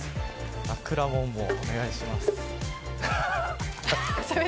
くらもんも、お願いします。